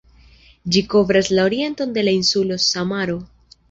Ĝi kovras la orienton de la insulo Samaro.